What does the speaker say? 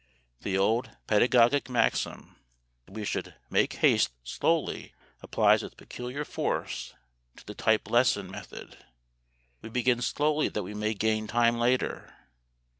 The old pedagogic maxim that we should make haste slowly applies with peculiar force to the "type lesson" method. We begin slowly that we may gain time later.